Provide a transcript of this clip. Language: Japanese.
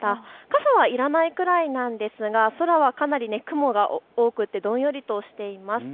傘はいらないくらいなんですが空はかなり雲が多くてどんよりとしています。